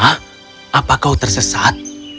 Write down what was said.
hah apa kau tersesat